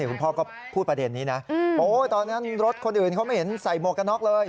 คุณพ่อก็พูดประเด็นนี้นะโอ้ยตอนนั้นรถคนอื่นเขาไม่เห็นใส่หมวกกันน็อกเลย